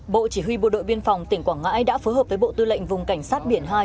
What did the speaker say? bộ chỉ huy bộ đội biên phòng tỉnh quảng ngãi đã phối hợp với bộ tư lệnh vùng cảnh sát biển hai